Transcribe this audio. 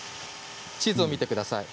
地図を見てください。